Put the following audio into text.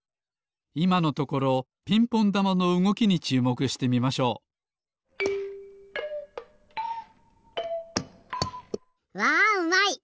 いまのところピンポンだまのうごきにちゅうもくしてみましょうわうまい！